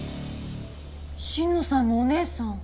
心野さんのお姉さん。